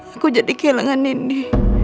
aku jadi kehilangan nini